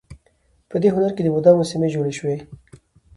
په دې هنر کې د بودا مجسمې جوړې شوې